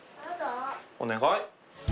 お願い。